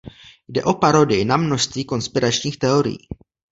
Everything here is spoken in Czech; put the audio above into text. Jde o parodii na množství konspiračních teorií.